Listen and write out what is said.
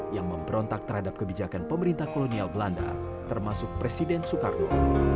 yang memberontak terhadap kebijakan pemerintah kolonial belanda termasuk presiden soekarno